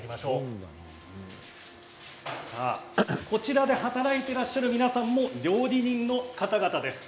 こちらで働いていらっしゃる皆さんも料理人の方々です。